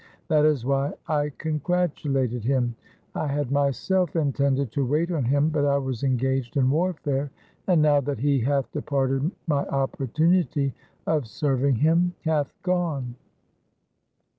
That is why I con gratulated him. I had myself intended to wait on him, but I was engaged in warfare, and now that he hath departed my opportunity of serving him hath gone.'